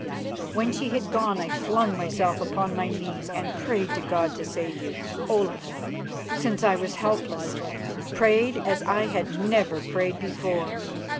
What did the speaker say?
"When she had gone I flung myself upon my knees and prayed to God to save you, Olaf, since I was helpless; prayed as I had never prayed before.